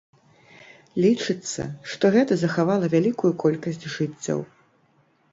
Лічыцца, што гэта захавала вялікую колькасць жыццяў.